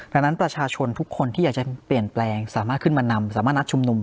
ดังนั้นประชาชนทุกคนที่อยากจะเปลี่ยนแปลงสามารถขึ้นมานำสามารถนัดชุมนุม